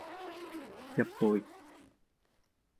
一杯